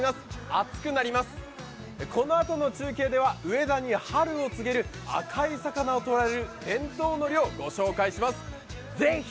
暑くなります、このあとの中継では上田に春を告げる赤い魚を捕らえる伝統の漁、御紹介します。